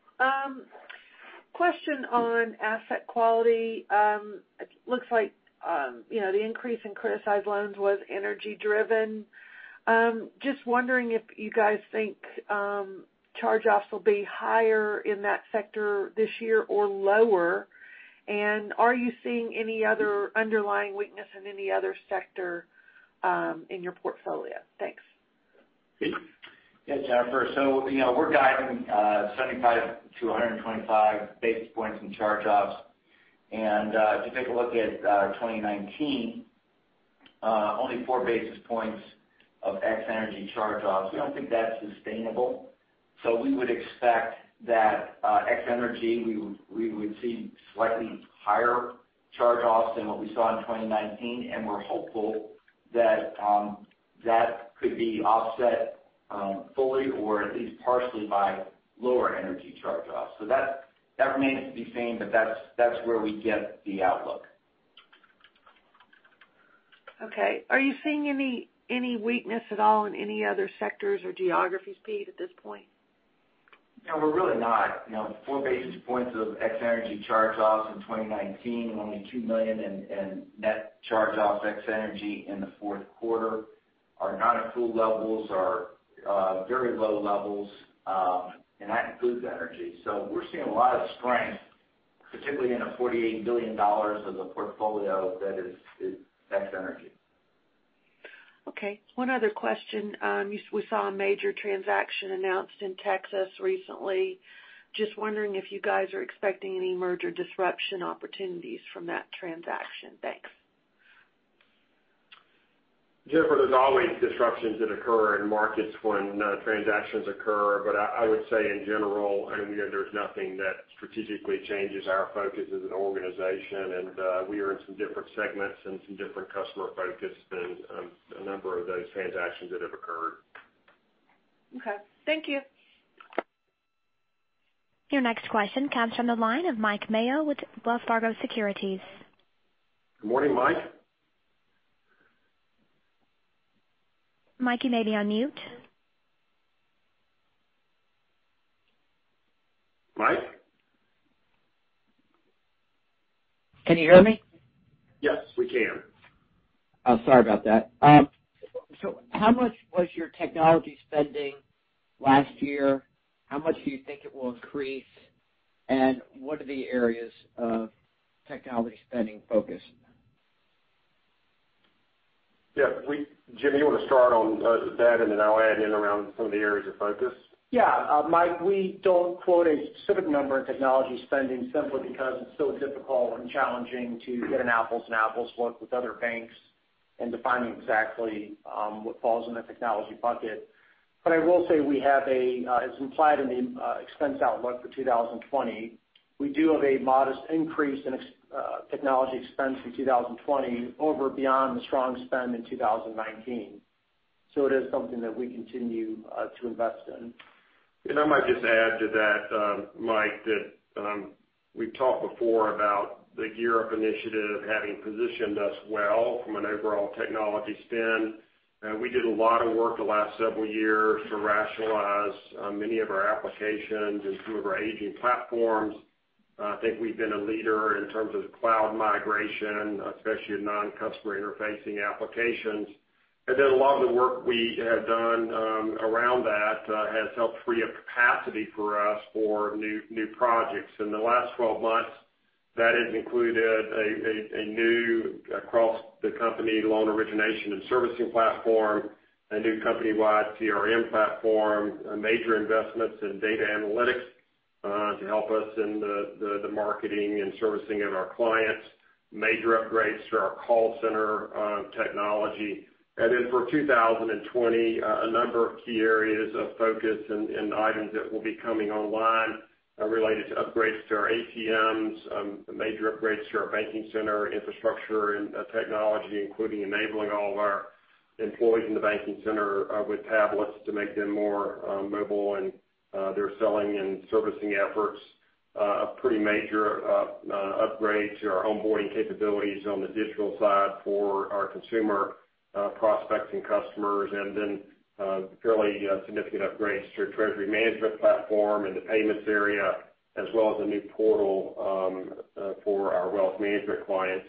Question on asset quality. It looks like the increase in criticized loans was energy-driven. Just wondering if you guys think charge-offs will be higher in that sector this year or lower, and are you seeing any other underlying weakness in any other sector in your portfolio? Thanks. Pete? Yeah, Jennifer. We're guiding 75-125 basis points in charge-offs. If you take a look at 2019, only 4 basis points of ex energy charge-offs. We don't think that's sustainable. We would expect that ex energy, we would see slightly higher charge-offs than what we saw in 2019, and we're hopeful that that could be offset fully or at least partially by lower energy charge-offs. That remains to be seen, but that's where we get the outlook. Okay. Are you seeing any weakness at all in any other sectors or geographies, Pete, at this point? No, we're really not. 4 basis points of ex energy charge-offs in 2019 and only $2 million in net charge-offs ex energy in the fourth quarter. Our non-accrual levels are very low levels, and that includes energy. We're seeing a lot of strength, particularly in the $48 billion of the portfolio that is ex energy. Okay. One other question. We saw a major transaction announced in Texas recently. Just wondering if you guys are expecting any merger disruption opportunities from that transaction? Thanks. Jennifer, there's always disruptions that occur in markets when transactions occur. I would say in general, there's nothing that strategically changes our focus as an organization, and we are in some different segments and some different customer focus than a number of those transactions that have occurred. Okay. Thank you. Your next question comes from the line of Mike Mayo with Wells Fargo Securities. Good morning, Mike. Mike, you may be on mute. Mike? Can you hear me? Yes, we can. Oh, sorry about that. How much was your technology spending last year? How much do you think it will increase? What are the areas of technology spending focus? Yeah. Jim, you want to start on that, and then I'll add in around some of the areas of focus. Yeah. Mike, we don't quote a specific number in technology spending simply because it's so difficult and challenging to get an apples and apples work with other banks and defining exactly what falls in the technology bucket. I will say, as implied in the expense outlook for 2020, we do have a modest increase in technology expense for 2020 over beyond the strong spend in 2019. It is something that we continue to invest in. I might just add to that, Mike, that we've talked before about the GEAR Up initiative having positioned us well from an overall technology spend. We did a lot of work the last several years to rationalize many of our applications and some of our aging platforms. I think we've been a leader in terms of cloud migration, especially in non-customer interfacing applications. A lot of the work we have done around that has helped free up capacity for us for new projects. In the last 12 months, that has included a new across-the-company loan origination and servicing platform, a new company-wide CRM platform, major investments in data analytics to help us in the marketing and servicing of our clients, major upgrades to our call center technology. For 2020, a number of key areas of focus and items that will be coming online related to upgrades to our ATMs, major upgrades to our banking center infrastructure and technology, including enabling all of our employees in the banking center with tablets to make them more mobile in their selling and servicing efforts. A pretty major upgrade to our onboarding capabilities on the digital side for our consumer prospects and customers, and then fairly significant upgrades to our treasury management platform and the payments area, as well as a new portal for our wealth management clients.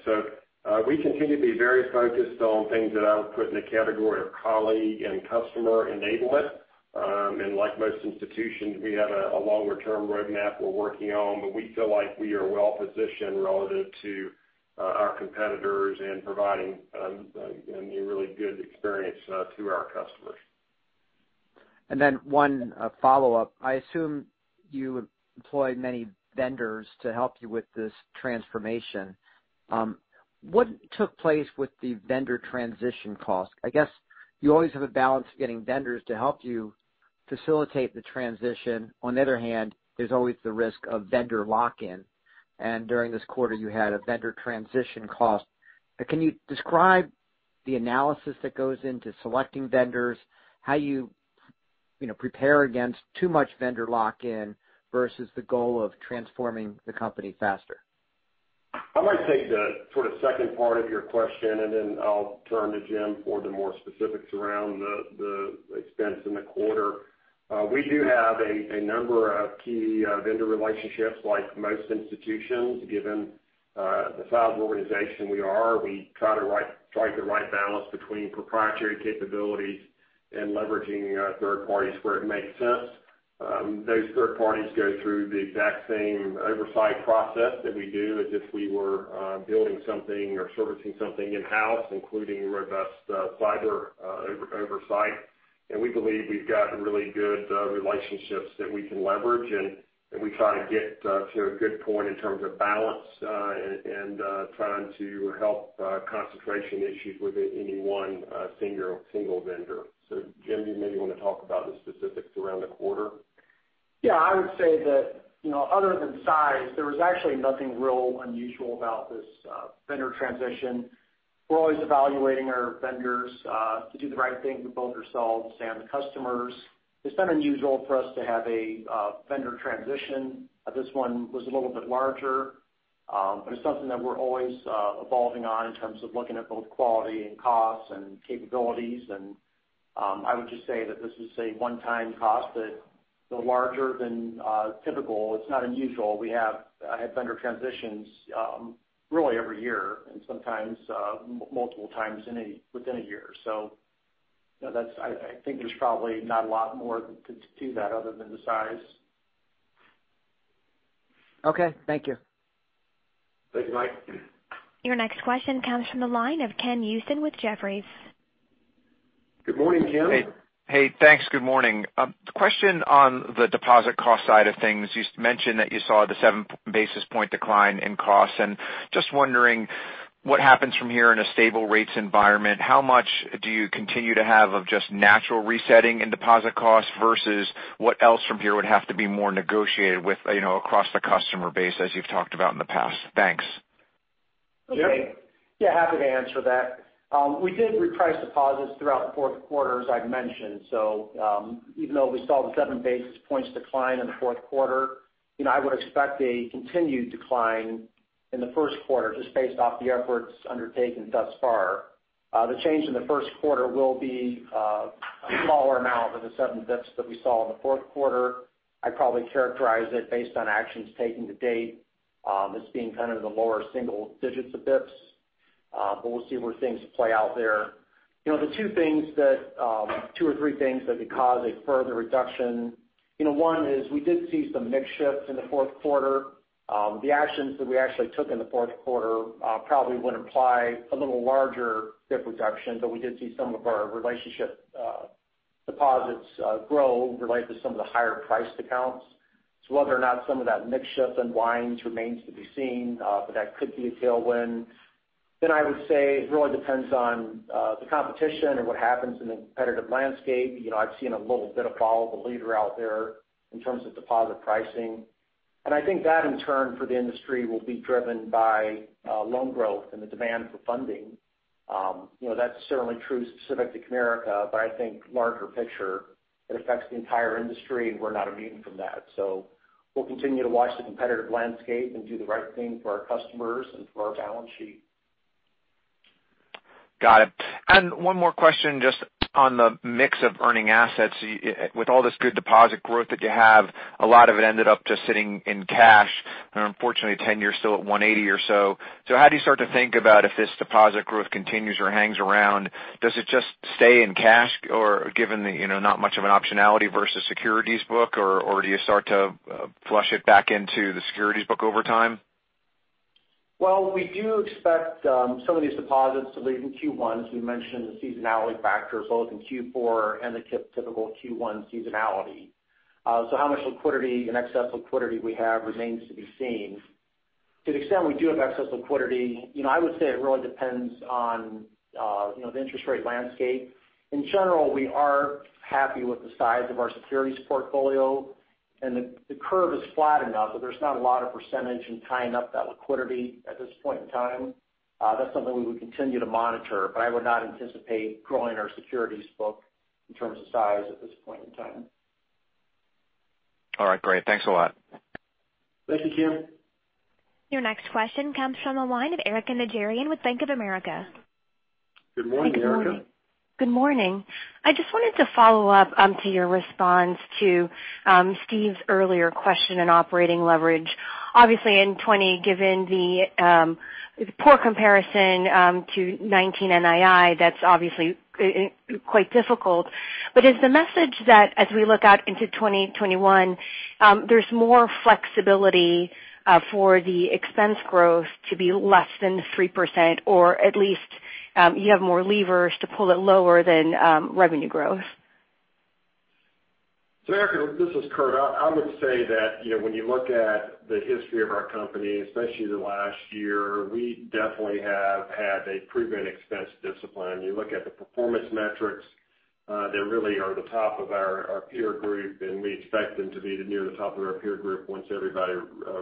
We continue to be very focused on things that I would put in the category of colleague and customer enablement. Like most institutions, we have a longer-term roadmap we're working on, but we feel like we are well-positioned relative to our competitors in providing a really good experience to our customers. One follow-up. I assume you employ many vendors to help you with this transformation. What took place with the vendor transition cost? I guess you always have a balance getting vendors to help you facilitate the transition. On the other hand, there's always the risk of vendor lock-in, and during this quarter you had a vendor transition cost. Can you describe the analysis that goes into selecting vendors, how you prepare against too much vendor lock-in versus the goal of transforming the company faster? I might take the sort of second part of your question, and then I'll turn to Jim for the more specifics around the expense in the quarter. We do have a number of key vendor relationships like most institutions, given the size of organization we are. We try to right balance between proprietary capabilities and leveraging third parties where it makes sense. Those third parties go through the exact same oversight process that we do as if we were building something or servicing something in-house, including robust cyber oversight. We believe we've got really good relationships that we can leverage, and we try to get to a good point in terms of balance and trying to help concentration issues with any one single vendor. Jim, you maybe want to talk about the specifics around the quarter. Yeah. I would say that other than size, there was actually nothing real unusual about this vendor transition. We're always evaluating our vendors to do the right thing for both ourselves and the customers. It's not unusual for us to have a vendor transition. This one was a little bit larger. It's something that we're always evolving on in terms of looking at both quality and costs and capabilities. I would just say that this is a one-time cost that's larger than typical. It's not unusual. We have vendor transitions really every year, and sometimes multiple times within a year. I think there's probably not a lot more to that other than the size. Okay. Thank you. Thank you, Mike. Your next question comes from the line of Ken Usdin with Jefferies. Good morning, Ken. Hey. Thanks. Good morning. Question on the deposit cost side of things. You mentioned that you saw the 7 basis points decline in costs, and just wondering what happens from here in a stable rates environment. How much do you continue to have of just natural resetting in deposit costs versus what else from here would have to be more negotiated across the customer base as you've talked about in the past? Thanks. Jim? Yeah, happy to answer that. We did reprice deposits throughout the fourth quarter, as I'd mentioned. Even though we saw the 7 basis points decline in the fourth quarter, I would expect a continued decline in the first quarter, just based off the efforts undertaken thus far. The change in the first quarter will be a smaller amount than the 7 basis points that we saw in the fourth quarter. I'd probably characterize it based on actions taken to date as being kind of the lower single digits of basis points. We'll see where things play out there. The two or three things that could cause a further reduction, one is we did see some mix shifts in the fourth quarter. The actions that we actually took in the fourth quarter probably would imply a little larger basis point reduction, but we did see some of our relationship deposits grow related to some of the higher priced accounts. Whether or not some of that mix shift unwinds remains to be seen, but that could be a tailwind. I would say it really depends on the competition and what happens in the competitive landscape. I've seen a little bit of follow the leader out there in terms of deposit pricing. I think that in turn for the industry will be driven by loan growth and the demand for funding. That's certainly true specific to Comerica, but I think larger picture, it affects the entire industry, and we're not immune from that. We'll continue to watch the competitive landscape and do the right thing for our customers and for our balance sheet. Got it. One more question, just on the mix of earning assets. With all this good deposit growth that you have, a lot of it ended up just sitting in cash. Unfortunately, 10 year's still at 1.80% or so. How do you start to think about if this deposit growth continues or hangs around, does it just stay in cash or given not much of an optionality versus securities book, or do you start to flush it back into the securities book over time? Well, we do expect some of these deposits to leave in Q1, as we mentioned, the seasonality factors both in Q4 and the typical Q1 seasonality. How much liquidity and excess liquidity we have remains to be seen. To the extent we do have excess liquidity, I would say it really depends on the interest rate landscape. In general, we are happy with the size of our securities portfolio. The curve is flat enough that there's not a lot of percentage in tying up that liquidity at this point in time. That's something we would continue to monitor, but I would not anticipate growing our securities book in terms of size at this point in time. All right, great. Thanks a lot. Thank you, Ken. Your next question comes from the line of Erika Najarian with Bank of America. Good morning, Erika. Good morning. I just wanted to follow up to your response to Steve's earlier question on operating leverage. Obviously in 2020, given the poor comparison to 2019 NII, that's obviously quite difficult. Is the message that as we look out into 2021, there's more flexibility for the expense growth to be less than 3% or at least you have more levers to pull it lower than revenue growth? Erika, this is Curt. I would say that when you look at the history of our company, especially the last year, we definitely have had a proven expense discipline. You look at the performance metrics, they really are the top of our peer group, and we expect them to be near the top of our peer group once everybody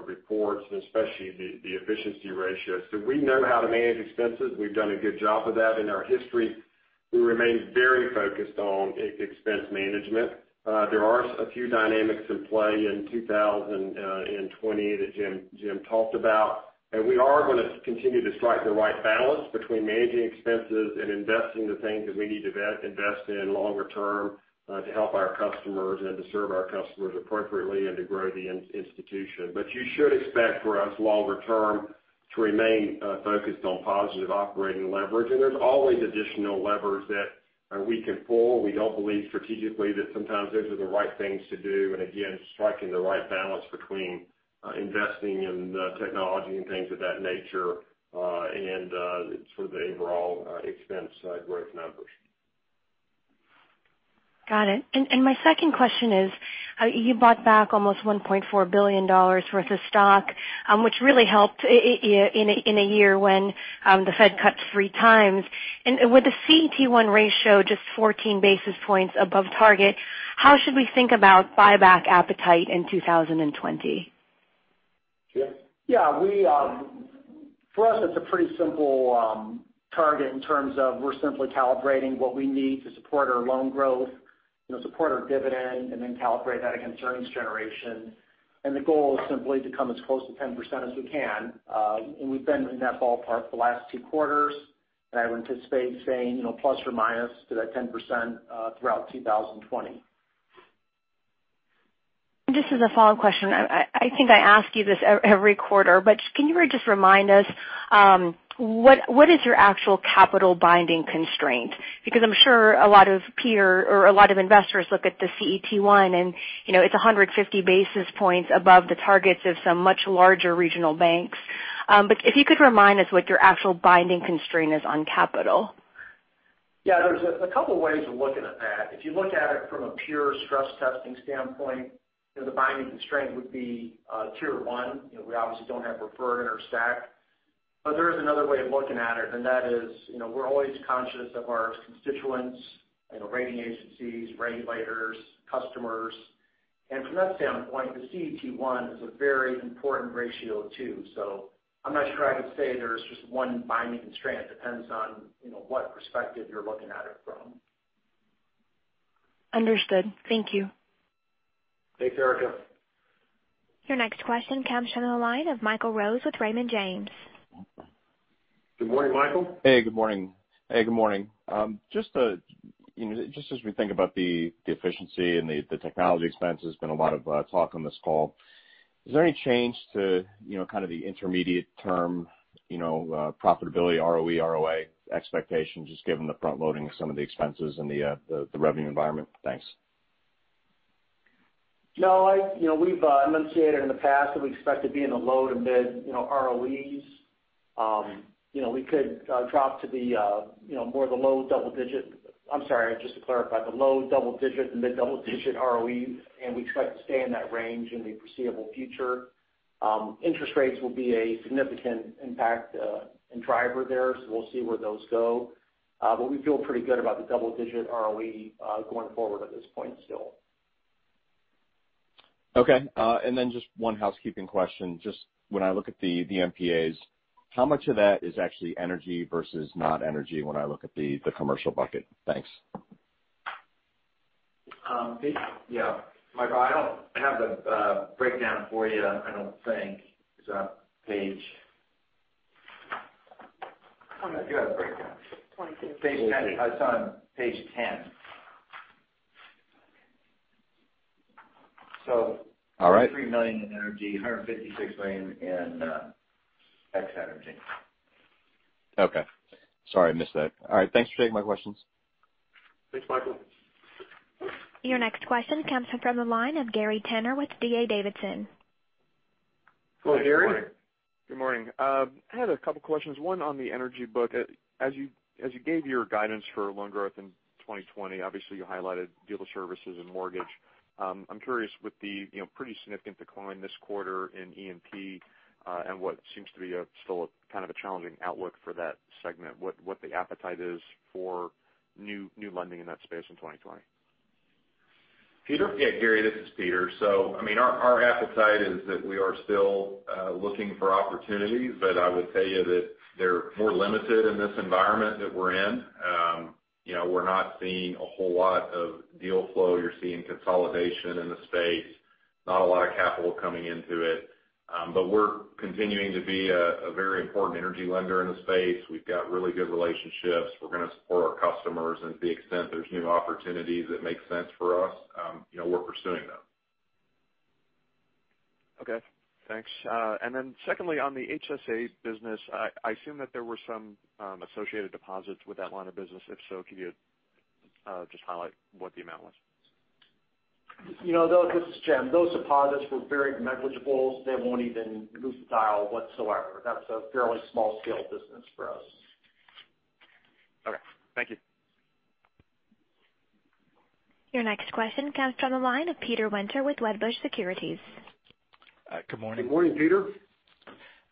reports, and especially the efficiency ratio. We know how to manage expenses. We've done a good job of that in our history. We remain very focused on expense management. There are a few dynamics in play in 2020 that Jim talked about. We are going to continue to strike the right balance between managing expenses and investing the things that we need to invest in longer term to help our customers and to serve our customers appropriately and to grow the institution. You should expect for us longer term to remain focused on positive operating leverage. There's always additional levers that we can pull. We don't believe strategically that sometimes those are the right things to do. Again, striking the right balance between investing in technology and things of that nature, and sort of the overall expense side growth numbers. Got it. My second question is, you bought back almost $1.4 billion worth of stock, which really helped in a year when the fed cut three times. With the CET1 ratio just 14 basis points above target, how should we think about buyback appetite in 2020? Jim? Yeah. For us, it's a pretty simple target in terms of we're simply calibrating what we need to support our loan growth, support our dividend, and then calibrate that against earnings generation. The goal is simply to come as close to 10% as we can. We've been in that ballpark for the last two quarters, and I would anticipate staying plus or minus to that 10% throughout 2020. Just as a follow-up question, I think I ask you this every quarter, but can you just remind us, what is your actual capital binding constraint? I'm sure a lot of investors look at the CET1 and it's 150 basis points above the targets of some much larger regional banks. If you could remind us what your actual binding constraint is on capital. Yeah. There's a couple ways of looking at that. If you look at it from a pure stress testing standpoint, the binding constraint would be tier one. We obviously don't have preferred in our stack. There is another way of looking at it, and that is, we're always conscious of our constituents, rating agencies, regulators, customers. From that standpoint, the CET1 is a very important ratio, too. I'm not sure I could say there's just one binding constraint. It depends on what perspective you're looking at it from. Understood. Thank you. Thanks, Erika. Your next question comes from the line of Michael Rose with Raymond James. Good morning, Michael. Hey, good morning. Just as we think about the efficiency and the technology expense, there's been a lot of talk on this call. Is there any change to kind of the intermediate term profitability, ROE, ROA expectations, just given the front-loading of some of the expenses and the revenue environment? Thanks. We've enunciated in the past that we expect to be in the low to mid ROEs. We could drop to more of the low double digit, I'm sorry, just to clarify, the low double digit to mid double digit ROEs. We expect to stay in that range in the foreseeable future. Interest rates will be a significant impact and driver there. We'll see where those go. We feel pretty good about the double digit ROE going forward at this point still. Okay. Just one housekeeping question. Just when I look at the NPAs, how much of that is actually energy versus not energy when I look at the commercial bucket? Thanks. Pete? Yeah. Michael, I don't have the breakdown for you, I don't think. It's on page 10. All right. $3 million in energy, $156 million in ex energy. Okay. Sorry, I missed that. All right. Thanks for taking my questions. Thanks, Michael. Your next question comes from the line of Gary Tenner with D.A. Davidson. Hello, Gary. Good morning. I had a couple questions, one on the energy book. As you gave your guidance for loan growth in 2020, obviously you highlighted dealer services and mortgage. I'm curious with the pretty significant decline this quarter in E&P, and what seems to be still a kind of a challenging outlook for that segment, what the appetite is for new lending in that space in 2020. Peter? Yeah, Gary, this is Peter. Our appetite is that we are still looking for opportunities, but I would say that they're more limited in this environment that we're in. We're not seeing a whole lot of deal flow. You're seeing consolidation in the space, not a lot of capital coming into it. We're continuing to be a very important energy lender in the space. We've got really good relationships. We're going to support our customers, and to the extent there's new opportunities that make sense for us, we're pursuing them. Okay. Thanks. Secondly, on the HSA business, I assume that there were some associated deposits with that line of business. If so, could you just highlight what the amount was? This is Jim. Those deposits were very negligible. They won't even move the dial whatsoever. That's a fairly small-scale business for us. Okay. Thank you. Your next question comes from the line of Peter Winter with Wedbush Securities. Good morning. Good morning, Peter.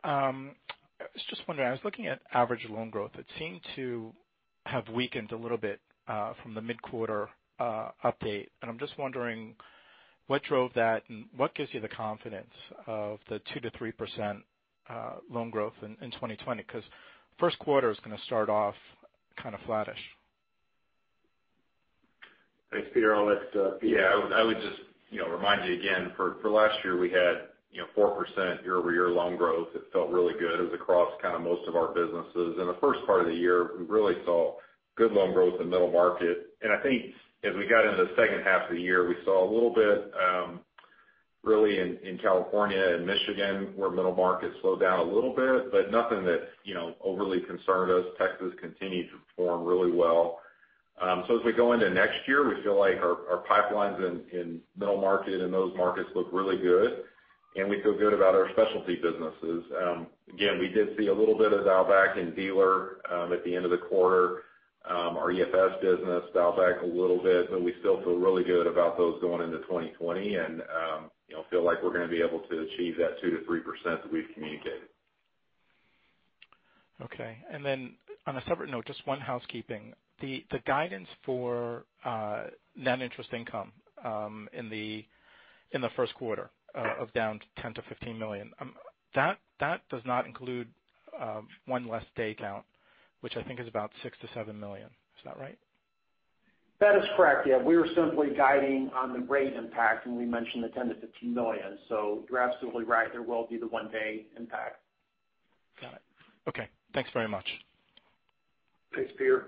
I was just wondering, I was looking at average loan growth. It seemed to have weakened a little bit from the mid-quarter update, and I'm just wondering what drove that and what gives you the confidence of the 2%-3% loan growth in 2020? Because first quarter is going to start off kind of flattish. Thanks, Peter. I'll let Pete. Yeah, I would just remind you again, for last year, we had 4% year-over-year loan growth. It felt really good. It was across most of our businesses. In the first part of the year, we really saw good loan growth in middle market. I think as we got into the second half of the year, we saw a little bit, really in California and Michigan, where middle market slowed down a little bit, but nothing that overly concerned us. Texas continued to perform really well. As we go into next year, we feel like our pipelines in middle market and those markets look really good, and we feel good about our specialty businesses. Again, we did see a little bit of dial back in dealer at the end of the quarter. Our EFS business dialed back a little bit, but we still feel really good about those going into 2020, and feel like we're going to be able to achieve that 2%-3% that we've communicated. Okay. On a separate note, just one housekeeping. The guidance for net interest income in the first quarter of down $10 million-$15 million, that does not include one less day count, which I think is about $6 million-$7 million. Is that right? That is correct, yeah. We are simply guiding on the rate impact when we mentioned the $10 million-$15 million. You're absolutely right, there will be the one-day impact. Got it. Okay. Thanks very much. Thanks, Peter.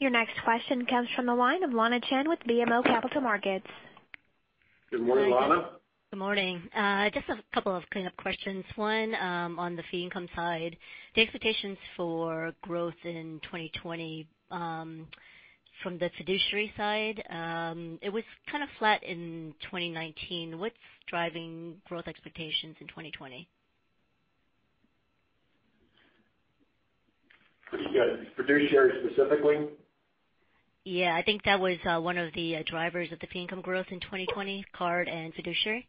Your next question comes from the line of Lana Chan with BMO Capital Markets. Good morning, Lana. Good morning. Just a couple of cleanup questions. One, on the fee income side, the expectations for growth in 2020 from the fiduciary side, it was kind of flat in 2019. What's driving growth expectations in 2020? Fiduciary specifically? Yeah, I think that was one of the drivers of the fee income growth in 2020, card and fiduciary.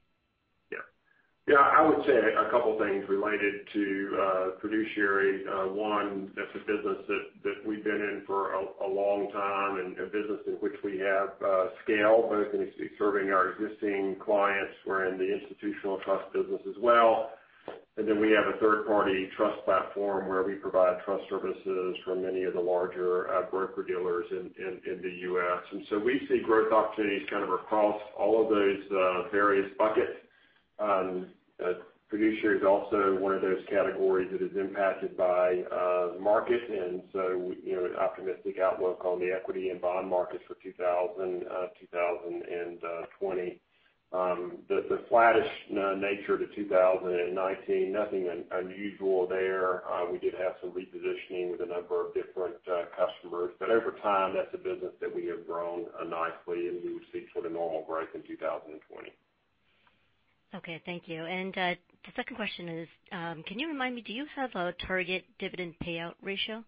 Yeah. Yeah, I would say a couple things related to fiduciary. One, that's a business that we've been in for a long time and a business in which we have scale, both in serving our existing clients. We're in the institutional trust business as well. We have a third-party trust platform where we provide trust services for many of the larger broker-dealers in the U.S. We see growth opportunities kind of across all of those various buckets. Fiduciary is also one of those categories that is impacted by the market, and so an optimistic outlook on the equity and bond markets for 2020. The flattish nature to 2019, nothing unusual there. We did have some repositioning with a number of different customers. Over time, that's a business that we have grown nicely, and we would see sort of normal growth in 2020. Okay. Thank you. The second question is, can you remind me, do you have a target dividend payout ratio?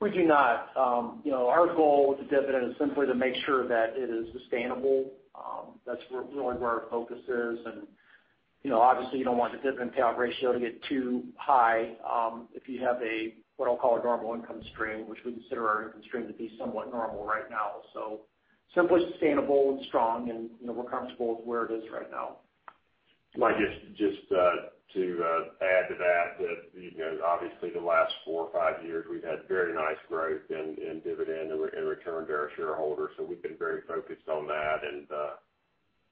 We do not. Our goal with the dividend is simply to make sure that it is sustainable. That's really where our focus is. Obviously you don't want the dividend payout ratio to get too high if you have a, what I'll call a normal income stream, which we consider our income stream to be somewhat normal right now. Simply sustainable and strong and we're comfortable with where it is right now. Just to add to that, obviously the last four or five years, we've had very nice growth in dividend and return to our shareholders. We've been very focused on that.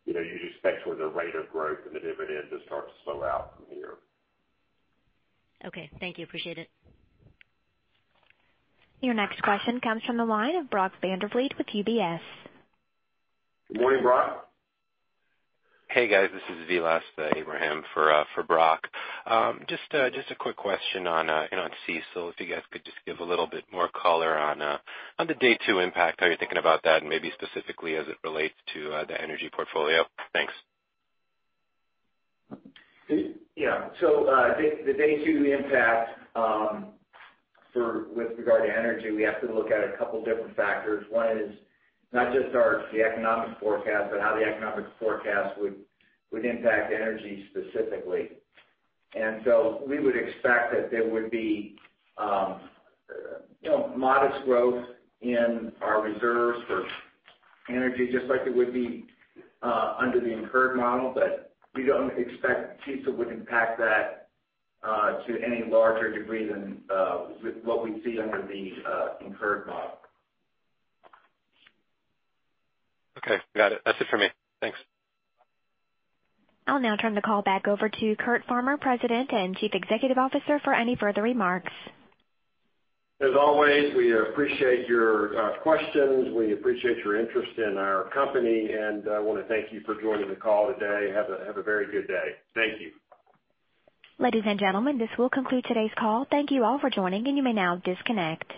You'd expect the rate of growth in the dividend to start to slow out from here. Okay. Thank you. Appreciate it. Your next question comes from the line of Brock Vandervliet with UBS. Good morning, Brock. Hey, guys. This is Vilas Abraham for Brock. Just a quick question on CECL, if you guys could just give a little bit more color on the day two impact, how you're thinking about that, and maybe specifically as it relates to the energy portfolio. Thanks. The day two impact with regard to energy, we have to look at a couple different factors. One is not just the economic forecast, but how the economic forecast would impact energy specifically. We would expect that there would be modest growth in our reserves for energy, just like there would be under the incurred model. We don't expect CECL would impact that to any larger degree than what we see under the incurred model. Okay. Got it. That's it for me. Thanks. I'll now turn the call back over to Curt Farmer, President and Chief Executive Officer, for any further remarks. As always, we appreciate your questions. We appreciate your interest in our company, and I want to thank you for joining the call today. Have a very good day. Thank you. Ladies and gentlemen, this will conclude today's call. Thank you all for joining. You may now disconnect.